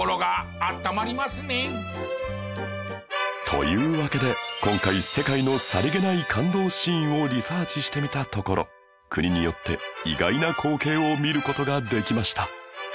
というわけで今回世界のさりげない感動シーンをリサーチしてみたところ国よって意外な光景を見る事ができました